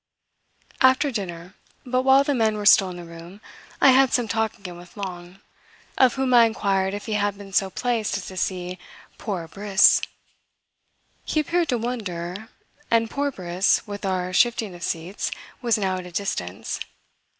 After dinner, but while the men were still in the room, I had some talk again with Long, of whom I inquired if he had been so placed as to see "poor Briss." He appeared to wonder, and poor Briss, with our shifting of seats, was now at a distance.